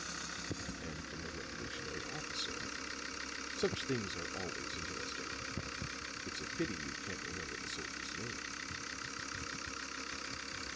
And from a Revolutionary officer. Such things are always interesting. It's a pity you can't remember the soldier's name."